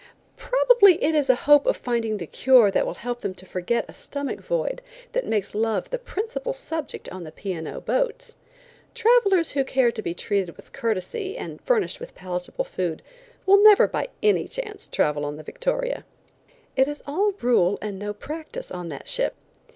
Probably it is a hope of finding the cure that will help them to forget a stomach void, that makes love the principal subject on the P. & O. boats. Travelers who care to be treated with courtesy, and furnished with palatable food, will never by any chance travel on the Victoria. It is all rule and no practice on that ship.